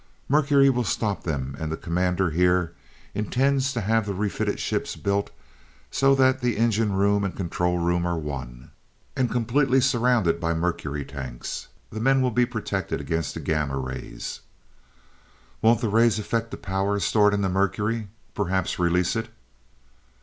"Mercury will stop them and the Commander here intends to have the refitted ships built so that the engine room and control room are one, and completely surrounded by the mercury tanks. The men will be protected against the gamma rays." "Won't the rays affect the power stored in the mercury perhaps release it?"